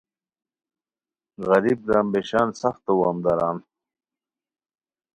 غریب گرامبیشان سف تو وامداران